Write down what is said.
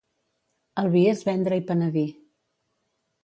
El vi és vendre i penedir.